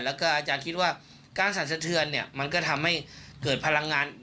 แล้วก็อาจารย์คิดว่าการสั่นสะเทือนเนี่ยมันก็ทำให้เกิดพลังงาน